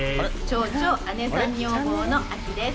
超超姉さん女房のアキです。